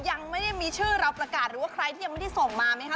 ยังไม่ได้มีชื่อเราประกาศหรือว่าใครที่ยังไม่ได้ส่งมาไหมคะ